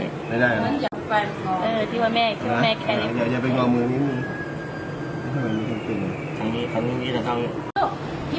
มันจะเจ็บไง